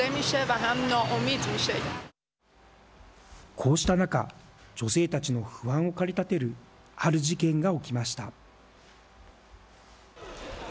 こうした中女性たちの不安を駆り立てるある事件が起きました。